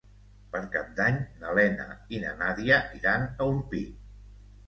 Per Cap d'Any na Lena i na Nàdia iran a Orpí.